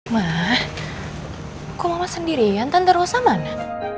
ma kok mama sendirian tante rossa mana